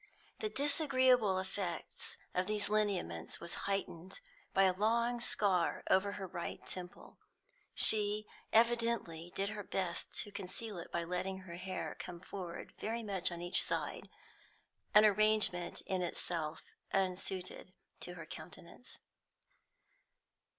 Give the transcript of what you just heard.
The disagreeable effect of these lineaments was heightened by a long scar over her right temple; she evidently did her best to conceal it by letting her hair come forward very much on each side, an arrangement in itself unsuited to her countenance.